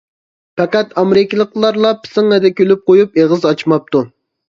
پەقەت ئامېرىكىلىقلارلا پىسىڭڭىدە كۈلۈپ قويۇپ ئېغىز ئاچماپتۇ.